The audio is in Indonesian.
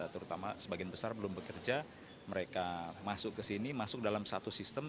terutama sebagian besar belum bekerja mereka masuk ke sini masuk dalam satu sistem